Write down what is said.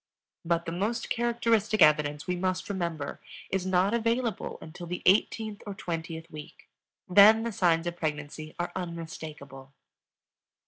_ But the most characteristic evidence, we must remember, is not available until the eighteenth or twentieth week; then the signs of pregnancy are unmistakable.